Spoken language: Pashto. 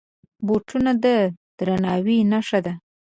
بوټونه د درناوي نښه ده.